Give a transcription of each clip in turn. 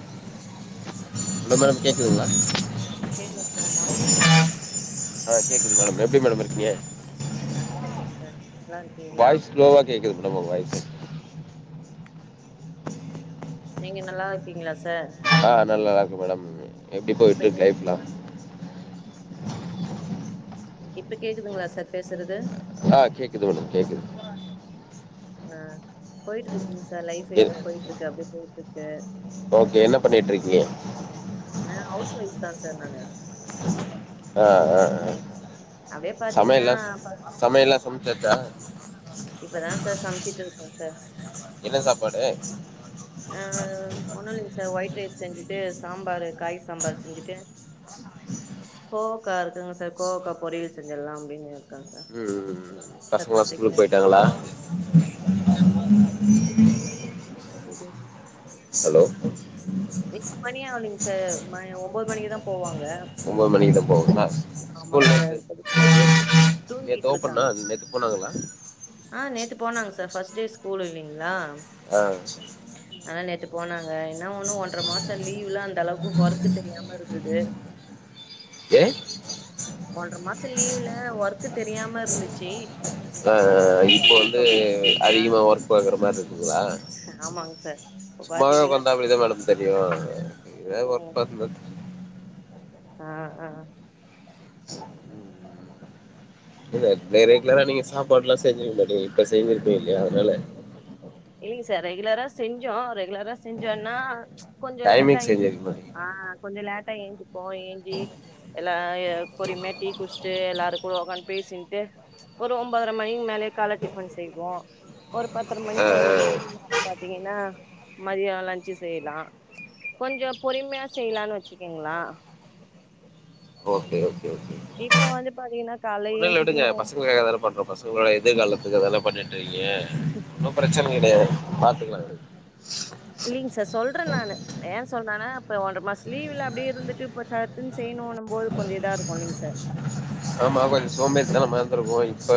Morning sir hello ma'am கேக்குதுங்களா கேக்குதுங்க sir morning sir ஆ கேக்குது மேடம் எப்டி மேடம் இருக்கீங்க நல்லா இருக்க சார் நல்லா இருக்கீங்களா வாய்ஸ் ஸ்லோவாக கேட்குது மேடம் உங்கள் வாய்ஸ் நீங்க நல்லா இருக்கீங்களா சார் ஆ நல்லாதா இருக்கு மேடம் எப்டி இப்ப போய்ட்டு கே இருக்கு லைஃப்லா இப்ப கேக்குதுங்களா சார் பேசுறது ஆ கேக்குது மேடம் கேக்குது ஆ போயிட்டு இருக்குங்க சார் சார் லைஃப் ஏதோ கேட்குது போயிட்டு இருக்கு அப்டியே போயிட்டு இருக்கு ஓகே என்ன பண்ணிட்டு இருக்கீங்க நா ஹவுஸ் ஒய்ஃப் தா சார் நானு ஆ ஆ ஆ அப்படியே பாத்தீங்கன்னா சமயல்லா சமயல்லா சமச்சாச்சா இப்பதா சார் சமைச்சிட்டு இருக்கே சார் என்ன சாப்பாடு ஒன்னு இல்லீங்க சார் ஒயிட் ரைஸ் செஞ்சுட்டு சாம்பாரு காய் சாம்பாரு செஞ்சுட்டு கோவாக்கா இருக்குங்க சார் கோவாக்கா பொரியல் செஞ்சிடலா அப்டினு இருக்கங் சார் சார் பசங்களா பண்றீங்க ஸ்கூலுக்கு போயிட்டாங்களா [unintelligible] ஹலோ செ கும் மணி ஆவலைங்க சார் ம ஒம்போது மணிக்குதா போவாங்க ஒம்போது மணிக்கு தா போவாங்காள ஆமாங் சார் இப்பவே நேத்து ஓப்பன்னா நேத்து போனாங்களா ஆ நேத்து போனாங்க சார் பஃர்ஸ்ட் டே ஸ்கூல் இல்லீங்களா ஆ அதனால நேத்து போனாங்க என்னா ஒண்ணு ஒன்றர மாச லீவுல அந்த அளவுக்கு ஒர்க் தெரியாம இருந்துது ஏ ஒன்ற மாச லீவுல ஒர்க்கு தெரியாம இருந்துச்சு ஆ இப்போ வந்து இப்ப பா ஆ அதிகமா ஒர்க் பாக்குற மாரி இருக்குங்களா ஆமாங்க சார். இப்ப சும்மாவே பாத்தீங்கன்னா உக்காந்த அப்டிதா மேடம் தெரியு எதோ ஒர்க் ம். பாதுதா ஆ அ இல்ல ந ரெகுலரா நீங்க சாப்பாடுல்லா செஞ்சுருக்க மாட்டடிங்க இப்ப செஞ்சுருப்பீங்க இல்லையா அதுனால இல்லைங்க சார் ரெகுலரா செஞ்சோ ரெகுலரா செஞ்சோன்னா கொஞ்சோ டைமிங் லேட்டாகி செஞ்சிருக்க மாட்டீங்க ஆ கொஞ்ச லேட்டா ஏஞ்சுப்போ ஏஞ்சி எல்லா ய பொறுமையா டீ குடிச்ட்டு எல்லாரு கூட உகான்டு பேசின்ட்டு ஒரு ஒன்பதரை மணிக்கு மேலயே கால டிபன் செய்வோ ஒரு பத்தர ஆ மணிக்கு பதினொரு ஆ மணிக்கு மேல பாத்தீங்கன்னா மதியோ லஞ்சு செய்யலா கொஞ்சோ பொறுமையா செய்யலானு வச்சுருக்கீங்களா ஓகே ஓகே இப்ப வந்து பாத்தீங்கன்னா கால ஒண்ணும் இல்ல விடுங்க ஏஞ்சிக்கன்னு ஹோம் பசங்களுக்காக தான பண்றோம் பசங்களோட எதிர்காலத்துக்கு அதல்லா பண்ணிட்ருக்கீங்க ஒன்னும் ப்ரச்ச கெடையாது பாத்துக்கலா விடுங்க இல்லிங்க சார் சொல்றே நானு ஏ சொல்றனா இப்ப ஒன்ற மாச லீவ்ல அப்டியே இருந்துட்டு இப்ப சட்டுன்னு செய்யணு நம் போது கொஞ்ச இதா இருக்கு இல்லிங்க சார் ஆமா கொஞ்சோ சோம்பேறி தனமா இருந்துருக்கு இப்ப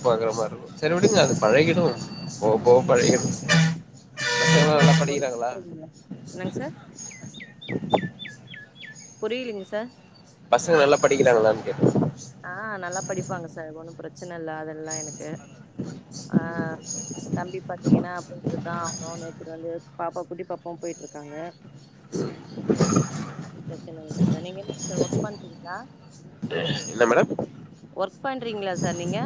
[unintelligible] பாங்குற மாரி இருக்கு செரி விடுங்க அது பழகிடு போக போக ம் பழகிரும் நீங்க என்னங்க சார் வொர்க் பண்றீங்க என்னங்க சார் புரியலிங்க சார் பசங்க நல்லா படிக்கிறாங்களான் கேட்டே ப்பாங்க சார் ஒன்னு ப்ரச்சன இல்ல அதெல்லா எனக்கு ஆ தம்பி பாத்தீங்கன்னா அப்டின்ட்டு இருக்கா அவனு நேத்துட்டு வந்து பாப்பா குட்டி பாப்பாவு போயிட்ருக்காங்க [inaudible] ப்ரச்சனை வருது சார் நீங்க என்ன சார் ஒர்க் பண்றீங்களா என்ன மேடம் ஒர்க் பண்றீங்களா சார் நீங்க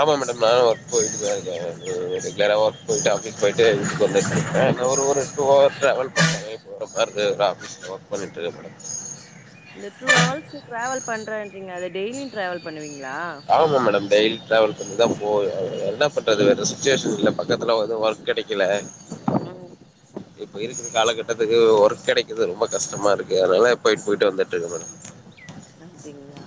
ஆமா மேடம் நானும் ஒர்க் போயிட்டு தா இருக்கே அ ரெகுலரா ஒர்க் போயிட்டு ஆபிஸ் போயிட்டு வீட்டுக்கு வந்துட்ருக்கே இன்னு ஒரு ஒரு டூ ஹவர் ட்ராவல் பண்றேங்க இப்போ பர்தேரா ஒர்க் பண்ணிட்ருக்கே மேடம் இந்த டூ ஹவர்ஸ் டிராவல் பண்றேன்றீங்க அத டெய்லியு டிராவல் பண்ணுவீங் ஆமாம் மேடம் டெய்லி ட்ராவல் பண்ணிதா போவே என்ன பண்றது வேற சுச்சுவேஷன் இல்ல பக்கத்துல வந்து ஒர்க் கெடைக்கல ம் இப்ப இருக்குற காலகட்டத்துக்கு ஒர்க் கெடைக்குது ரொம்ப கஷ்டமா இருக்கு அதுனால தா போயிட்டு போயிட்டு வந்துட்ருக்கே மேடம் அப்டிங்களா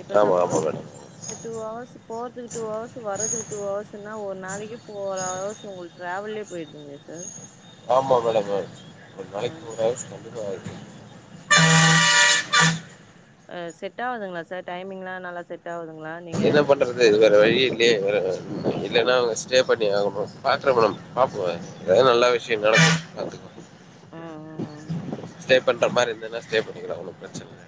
இப்ப ஆமாம் சப்போஸ் ஆமாம் மேடம் வந்து டூ ஹவர்ஸ் போறதுக்கு டூ ஹவர்ஸ் வர்றதுக்கு டூ ஹவர்ஸ்ன்னா ஒரு நாளைக்கி ஃபோர் ஹவர்ஸ் உங்களுக்கு ட்ராவல்லயே போயிருதுங்களே சார் ஆமா மேடமு ஒரு நாளைக்கி ஃபோர் ம் ஹவர்ஸ் கண்டிப்பா ஆயிடு ம் அ செட் ஆவுதுங்களா சார் டைமிங்ல நல்லா செட் ஆவுது என்ன பண்றது வேற வழியே இல்லையே வேற இல்லன்னா அவுங்க ஸ் ஸ்டே பண்ணி ஆகணு பேட்ரகுளம் பாப்புவாய் எவ்ளோ நல்லா விஷயோ நடக்கும் கத்துக்க ஆ ஆ ஆ ஸ்டே பண்ற மாரி இருந்துனா ஸ்டே பண்ணிக்கிறே ஒன்னும்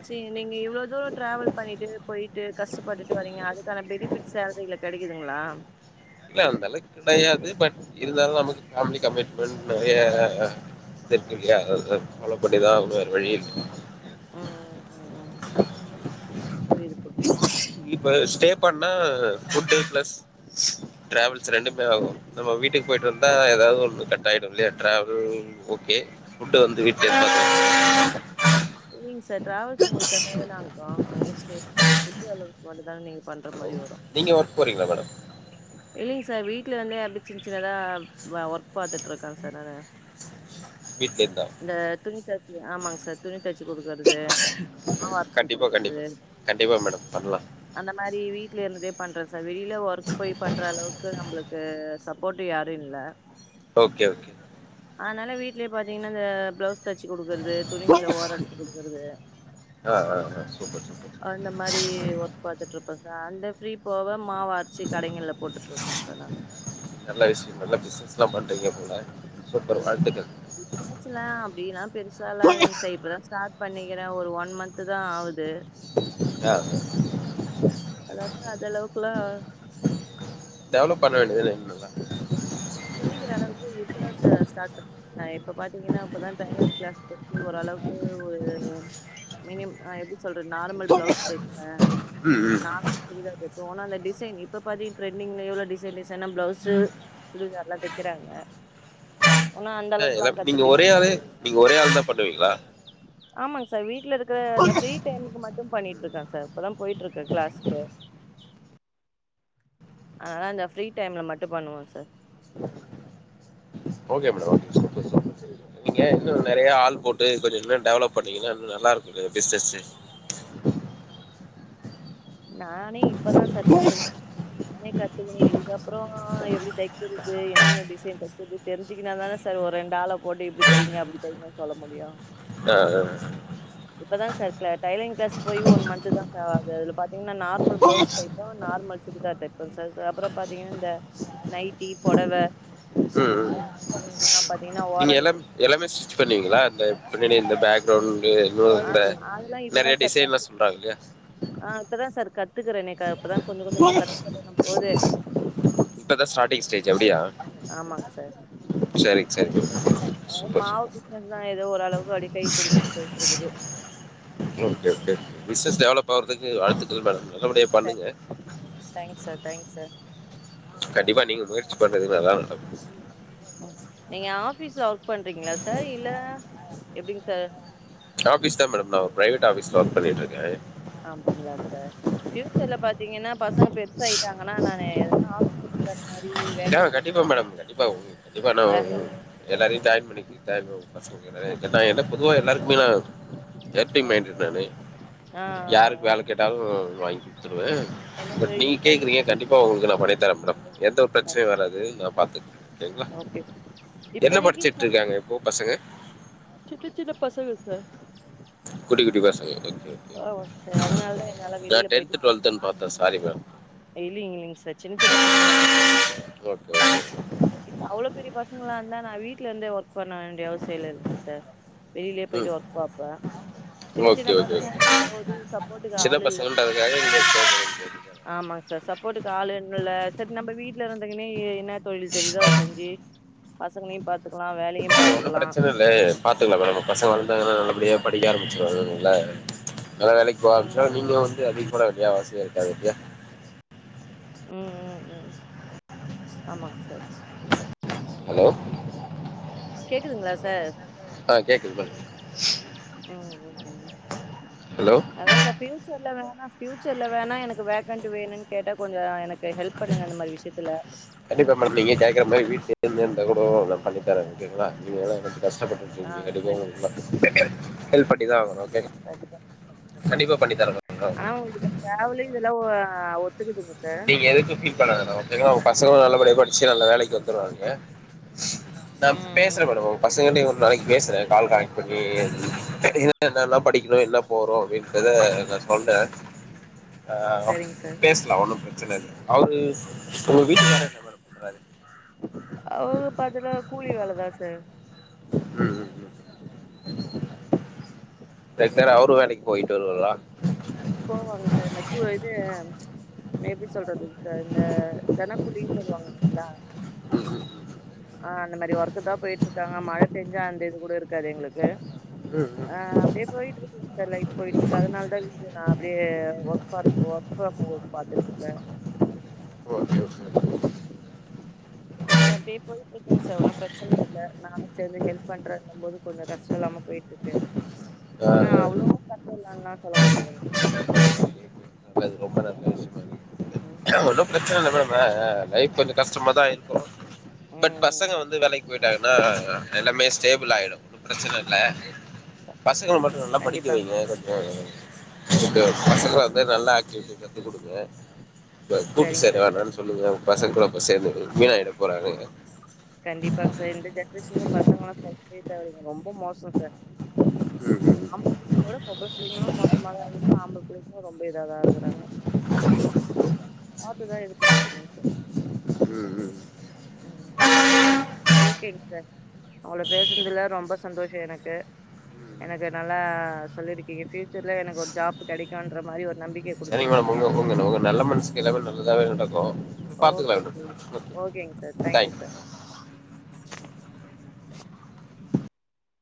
செரி நீங்க இவ்ளோ தூரோ ட்ராவல் பண்ணிட்டு போயிட்டு கஷ்டப்பட்டுட்டு வரீங்க அதுக்கான பெனிஃபிட் சேலரில கெடைக்குதுங்ளா இல்ல அந்தளக்கு கெடையாது பட் இருந்தாலு நமக்கு பேமிலி கமிட்மெண்ட் நெறைய செர்க்கு இல்லையா ம் அத ம் பாலோ பண்ணிதா ஆகணு வேற வழி இருக்கு ம் ம் ஆ ஆ புரியுது புரியு ப்ப ஸ்டே பண்ணா ஃபுட்டு ப்ளஸ் ட்ராவல்ஸ் ரெண்டுக்மே ஆகு நம்ம வீட்டுக்கு பொயிட் ட்ருந்தா எதாவது ஒன்னு கட் ஆயிடு இல்லையா ட்ராவல் ஓகே ஃபுட்டு வந்து வீட்ல [inaudible] இல்லைங்க சார் டிராவல்ஸ் உங்களுக்கு அமையலா இருக்கும் அங்கயே ஸ்டே பண்ணா ஃபுட்டு அலோன்ஸ்க்கு மட்டுந்தான நீங்க பண்ற ஹலோ மாரி வரு நீங்க ஒர்க் போறீங்களா மேடம் இல்லைங்க சார் வீட்ல வந்து அப்டி சின்ன சின்னதா வ ஒர்க் பாத்துட்டு இருக்கே சார் நானு வீட்ல இருந்தா இந்த துணி தச்சிங் ஆமாங்க சார் துணி தச்சு குடுக்கறது மாவு அரச்சு கண்டிப்பா குடுக்கறது கண்டிப்பா கண்டிப்பா மேடம் பண்லா அந்த மாரி வீட்ல இருந்துட்டே பண்றே சார் வெளியில ஒர்க் போய் பண்ற அளவுக்கு நம்மளுக்கு சப் போட்டு யாரு இல்ல ஓகே ஓகே அதனால் வீட்லயே பாத்தீங்கன்னா இந்த ப்ளவுஸ் தச்சு குடுக்குறது துணிங்கள ஓர எடுத்து குடுக்குறது ஆ ஆ ஆ சூப்பர் சூப்பர் அந்த மாரி ஒர்க் பாத்துட்டு இருப்ப சா அந்த ஃப்ரீ போவ மாவ அரிச்சி கடைகள்ல போட்டுட்டு இருக்கோ சார் நாங்க பெரிய [unintelligible] ம்ம சின்ன சின்ன அப்டில்லா பெருசாலா இல்லைங்க சார் இப்பதா ஸ்டார்ட் பண்ணி க்கிறே ஒரு ஒன் மந்து தா ஆவுது ஆ அதாலா அந்த அளவுக்குல்லா டெவலப் பண்ண வேண்டியதான இன்னு நல்லா சொல்லிக்கிற அளவுக்கு இப்பதா சா ஸ்டார்ட் பண்ண இப்ப பாத்தீங்கன்னா இப்பதா டெய்லரிங் கிளாஸ்கு போய் ஒரு அளவுக்கு ஒரு மினிம் ஆ எப்டி சொல்றது நார்மல் பிளவுஸ் தேப்ப ம் ம் நார் உள்ளது போனா அந்த டிசைன் இப்ப பாதீ ட்ரெண்டிங்ல எவ்ள டிசைன் டிசைனா ப்ளவுசு சுடிதார்லா தெக்கிறாங்க அ எல்லா நீங்க ஒரே ஆளு நீங்க ஒரே ஆள் தா பண்ணுவீங்களா ஆமாங்க சார் வீட்டுல இருக்கிற அந்த ஃப்ரீ டைமுக்கு மட் டு பண்ணிட்டு இருக்கே சார் இப்பதா போயிட்டு இருக்கே கிளாஸ்க்கு அதனால அந்த ஃப்ரீ டைம்ல மட்டு பண்ணுவோ sir okay madam okay madam super super சேரி நீங்க இன்னு நிறைய ஆள் போட்டு கொஞ்ச இன்னு டெவலப் பண்ணீங்கன்னா இன்னு நல்லா இருக்கு பி பிசுனஸு நானே இப்பதா சார் கத்துக்கு நானே கத்துக்குனு இதுக்கப்புற எப்டி தைக்கிறது என்னென்ன டிசைன் தைக்கிறது தெரிஞ்சுக்கனாதானே சார் ஒ ரெண்டு ஆள போட்டு இப்டி தைங்க அப்டி தைங்க சொல்ல முடியு ஆ அ இப்பதா சார் க்ள டெய்லரிங் கிளாஸ் போய் ஒரு மந்து தா சார் ஆகுது அதுல பாத்தீங்கன்னா நா நார்மல் ப்ளவுஸ் தெப்போ நார்மல் சுடிதார் தேப்போ சார் அப்புற பாத்தீங்கன்னா இந்த நைட்டி பொடவ து அதுக்கெல்லாம் ம் பாத்தீங்கன்னா நீங்க ஓரம் அடிச்சு எல்லாம் எல்லாமே ஸ்டிச் பண்ணுவீங்களா இந்த பின்னாடி இந்த பேக் க்ரவுண்ட் ஆ அதுல்லா இப்பதா சார் கத்து சொல்றாங்க இல்லையா ஆ இப்பதா சார் கத்துக்கறேனே கா இப்பதா இப்பதா ஸ்டார்டிங் ஸ்டேஜ் அப்டியா ஆமாங்க சார் சரிங் அதா சூப்பர் மாவு சூப்பர் மெஷின் தா எதோ ஓரளவுக்கு அடிக்கை கொடுத்துன்னு [unintelligible] பிஸினஸ் டெவலப் ஆவுறதுக்கு வாழ்த்துக்கள் மேடம் நல்லபடியா தே பண்ணுங்க தேங்க்ஸ் சார், தேங்க்ஸ் சார் கண்டிப்பா நீங்க முயற்சி பண்றது நல்லா வர்ட்டு நீங்க ஆஃபீஸ்ல ஒர்க் பண்றீங்களா சார் இல்ல எப்டிங்க சார் ஆஃபீஸ் தா மேடம் நா பிரைவேட் ஆஃபீஸ்ல ஒர்க் பண்ணிட்டு இருக்கே ஆ ஃபியூச்சர்ல பாத்தீங்கன்னா பசங்க பெருசா ஆயிட்டாங்கன்னா நானு எதுனா ஆஃபீஸ்ல ஒக்காந்துப்பே ஆ கண்டிப்பா மேடம் கண்டிப்பா கண்டிப்பா நா ரெஃபரன்ஸ் எல்லாரையு ஜாயின் பண்ணிக்கு [unintelligible] பசங்க எதாது கேட்டா ஏன்னா பொதுவா எல்லாருக்குமே நா ஹெல்பிங் ம் மைன்டட் நானு ஆ ஆ யாருக்கு ஆ வேல கேட்டாலு வாங்கி தருவே எனக்கு பட் நீங்க இப்பதைக்கு கேக்குறீங்க கண்டிப்பா உங்களுக்கு நா பண்ணித்தரே மேடம் என் பிரச்சன வராது நா பாத்துக் ஓகேங்களா ஓகே என்ன இப்பதைக்கு படிச்சுட்டு இருக்காங்க இப்போ பசங்க சின்ன சின்ன பசங்க சார் ஓகே ஓகே ஓகே ஆமாங்க சார் அதனால தா என்னால நா டென்த் டுவல்த்துன் பாத்தே சாரி மேடம் இல்லிங் இல்லிங் சார் சின்ன சின்ன பசங்கதா சார் ஓகே ஓகே இப்ப அவ்ளோ பெரிய பசங்களா இருந்தா நா வீட்ல இருந்தே ஒர்க் ஒர்க் பண்ண வேண்டிய அவசிய இல்லல்லங்க சார் வெளிலயே ம் போய்ட்டு ஒர்க் பாப்பே சின்ன சின்ன ஓகே ஓகே ஓகே பசங்கங்கும்போது சின்ன பசங்கன்டு அதுக்காக ஆமாங் சார் சப்போர்ட்டுக்கு ஆளு வேணும் இல்ல சர் நம்ம வீட்ல இருந்துங்கன்னே என்ன தொழில் தெரிதோ அது செஞ்சு பசங்களயும் பாத்து ஒன்னு ப்ரச்சன இல்ல பாத்துக்கலா மேடம் நம்ம பசங்க வளந்தாங்கன்னா நல்லபடியா படிக்க ஆரமி நல்லா எல்லா வேலக்கி போக ம் ஆரம்பிச்ட்டாங்கனா ம் நீங்ளு வந்து அதிக கூட யா அவசியொ இருக்காது எப்பியா ம் ம் ம் ஆமாங் சார் ஹலோ கேக்குதுங்ளா சார் ஆ கேக்குது பா ம் ம் ம் அதா சார் ஃப்யூச்சர் இல்ல வேணா ஃபியூச்சர்ல வேணா எனக்கு வேக்கண்ட்டு வேணும்னு கேட்டா கொஞ்ச எனக் கண்டிப்பா மேடம் நீங்க கேக்கற மாரி வீட்லேந்து கூடோ நா பண்ணித்தரே ஓகேங்லா நீங்க என ஆ கஷ்டப்பட்டுட்ருகிங்க சரிங்க சார். ஹெல்ப் பண்ணிதா ஆகணு ஓகேங்லா கண்டிப்பா பண்ணி தர ல அ ஒ நீங்க எதுக்கு பீல் பண்ண வேணா ஓகேங்லா உங்க பசங்களு நல்லபடிய படிச்சி நல்ல வேலக்கு வந்துருவாங்க நா ம் பேசுறே ம் மேடம் ஒங் பசங்கிட்டயு நாளைக்கு பேசுறே கால் கனெக்ட் பண்ணி என்னென்னலா படிக்கணு என்ன போறோ அப்டின்றத நா சொல்றே அ சரிங்க சார் பேசலா ஒன்னும் ப்ர சன இல்ல அவுரு உங்க வீட்டுக்காரு என்ன மேடம் பண்றாரு அவ் பாத்தன்னா கூலி வேலதா சார் ம் ம் ம் செரி செரி அவ்ரு வேலக்கு போய்ட்டு வருவாரா போவாங்க சார் இந்த பூ இது எப்டி சொல்றது சார் இந்தங்க தெனக்கூலின்னு சொல்லுவாங் பாத்திங்களா ம் ம் ம் ஆ அந்த மேரி ஒர்க்குதா போய்ட்டு இருக்காங்க மழ பேஞ்சா அந்த இது கூட இருக்காது எங்ளுக்கு ம் ம் ஆ அப்டியே போய்ட்டுருக்குங் சார் லைப் போயிட்ருக்கு அதனாலதா நா அப்டியே work for work from home பாத்துட்டு இருக்கே ஓகே ஓகே கொஞ்ச அப்டியே போய்ட்டுருக்குங் சார் ஒன்னும் ப்ரச்சன இல்ல நானு சேர்ந்து ஹெல்ப் பண்றேன்னும் போது கொஞ்ச கஷட இல்லாம போயிட்டு இருக்கு ஆ ஆனா ஆ அவ்ளோ கஷ்டம் இல்லன்லா சொல்ல முடியாது ரொம்ப நல்ல ம். விஷய ஒன்னும் ப்ரச்சன இல்ல மேடம் அ அ லைஃப் கொஞ்ச கஷ்டமாதா இருக்கு பட் ம். பசங்க வந்து வேலக் போயிட்டாங்கனா எல்லாமே ஸ்டேபிள் ஆய்டும் ஒன்னு ப்ரச்சன இல்ல பசங்கள மட்டு நல்லா படிக்க கண்டிப்பாங்க. வைங்க கொஞ்ச ம் ம் பசங்களா இருந்தா நல்ல ஆக்டிவிட்டி கத்து குடுங்க கூட்டு சரிங்க சேர சார், வேணான் சரிங்க. சொல்லுங்க பசங்க கூட அப்ப சேந்து வீனாயிட போறாங்க கண்டிப்பாங்க சார் இந்த ஜென்ரேஷனு பசங்களா சொல்லவே தேவலிங்க ரொம்ப மோசோ சார் ம் ம் ஆம்ப பிள்ளங்ளோட பொம்பல பிள்ளைங்களு மோசமாதா ஆகுது ஆம்பள பிள்ளைங்களு ரொம்ப இதாதா இருக்குறாங்க பாத்துதா இது பண்ணிக்கணுங் சார் ம் ம் ம் ஓகேங் சார் அவ்ளோ பேசுனதுல ரொம்ப சந்தோஷ எனக்கு எனக்கு நல்லா சொல்லிருக்கீங்க ஃபியூச்சர்ல எனக்கு ஒரு ஜாப் கெடைக்குன்ற மாரி ஒரு நம்பி சரிங்க மேடம் உங்க உங்க உங்க நல்ல மனசுக்கு எல்லாமே நல்லதாவே நடக்கு பாத்துக்கலா தேங்க்யூ சார்